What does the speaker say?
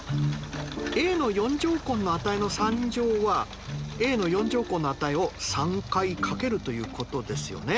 ａの４乗根の値の３乗はａの４乗根の値を３回掛けるということですよね。